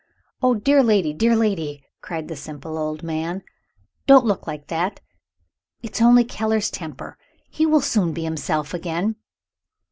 "Oh, dear lady! dear lady!" cried the simple old man, "Don't look like that! It's only Keller's temper he will soon be himself again."